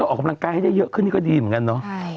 ออกกำลังกายให้ได้เยอะขึ้นนี่ก็ดีเหมือนกันเนาะ